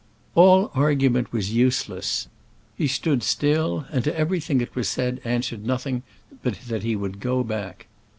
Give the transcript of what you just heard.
All argument was useless : he stood still, and to every thing that was said answered nothing but that he would go back.